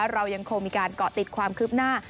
เรายังคงมีการเกาะติดความคืบหน้า